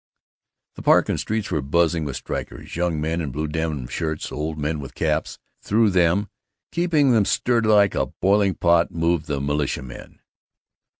The park and streets were buzzing with strikers, young men in blue denim shirts, old men with caps. Through them, keeping them stirred like a boiling pot, moved the militiamen.